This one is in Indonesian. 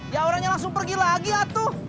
ya orangnya langsung pergi lagi atuh